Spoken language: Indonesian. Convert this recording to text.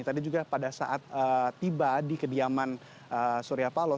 tadi juga pada saat tiba di kediaman surya paloh